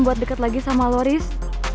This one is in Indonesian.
buat deket lagi sama lo riz